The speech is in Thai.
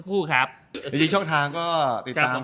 ครับผมออกแนวโทรล๊อกกันเหนื่อย